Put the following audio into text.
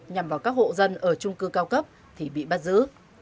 nhằm vào các hộ dân ở trung cư cao cấp thì bị bắt giữ